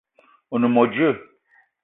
O ne mo djeue?